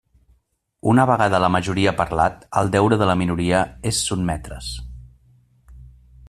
Una vegada la majoria ha parlat, el deure de la minoria és sotmetre's.